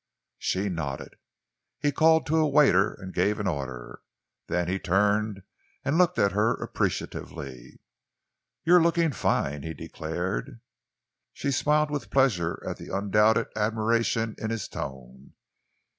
She nodded. He called to a waiter and gave an order. Then he turned and looked at her appreciatively. "You're looking fine," he declared. She smiled with pleasure at the undoubted admiration in his tone.